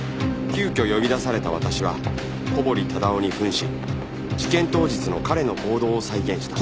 急きょ呼び出された私は小堀忠夫に扮し事件当日の彼の行動を再現した